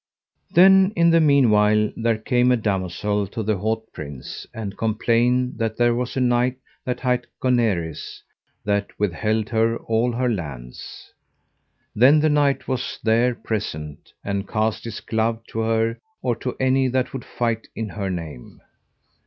Then in the meanwhile there came a damosel to the haut prince, and complained that there was a knight that hight Goneries that withheld her all her lands. Then the knight was there present, and cast his glove to her or to any that would fight in her name.